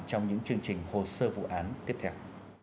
trong những chương trình hồ sơ vụ án tiếp theo